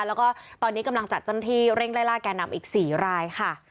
แล้วก็ตอนนี้กำลังจัดเจ้าหน้าที่เร่งไล่ล่าแก่นำอีก๔รายค่ะ